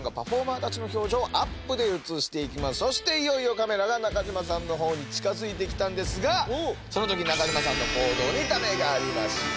そしていよいよカメラが中嶋さんの方に近づいてきたんですがその時中嶋さんの行動にだめがありました。